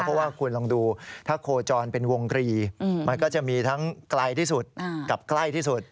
เพราะว่าคุณลองดูถ้าโคจรเป็นวงกรีมันก็จะมีทั้งไกลที่สุดกับใกล้ที่สุด